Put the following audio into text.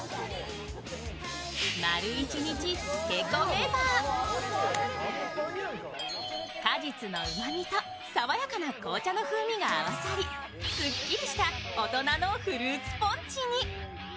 丸一日漬け込めば果実のうまみと爽やかな紅茶の風味が合わさりすっきりした大人のフルーツポンチに。